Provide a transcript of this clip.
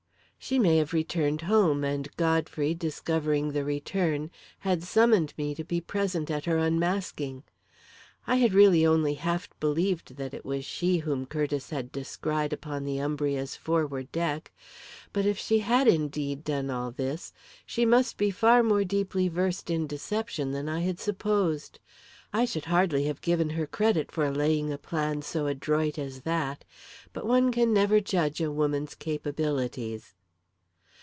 She may have returned home, and Godfrey, discovering the return, had summoned me to be present at her unmasking! I had really only half believed that it was she whom Curtiss had descried upon the Umbria's forward deck. But if she had, indeed, done all this, she must be far more deeply versed in deception than I had supposed. I should hardly have given her credit for laying a plan so adroit as that; but one can never judge a woman's capabilities.